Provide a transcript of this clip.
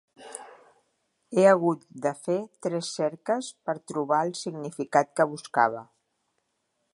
He hagut de fer tres cerques per trobar el significat que buscava.